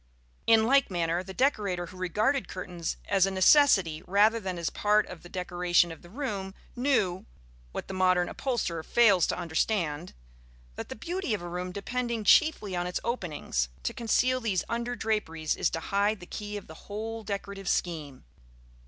In like manner, the decorator who regarded curtains as a necessity rather than as part of the decoration of the room knew (what the modern upholsterer fails to understand) that, the beauty of a room depending chiefly on its openings, to conceal these under draperies is to hide the key of the whole decorative scheme.